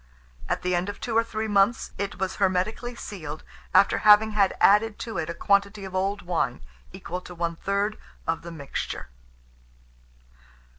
At the end of two or three months, it was hermetically sealed, after having had added to it a quantity of old wine, equal to one third of the mixture.